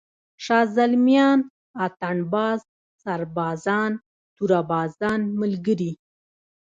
شازِلْمیان، اتڼ باز، سربازان، توره بازان ملګري!